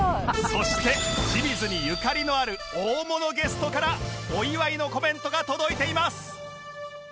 そして清水にゆかりのある大物ゲストからお祝いのコメントが届いています